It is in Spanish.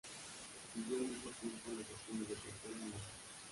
Siguió al mismo tiempo los estudios de pintura y música.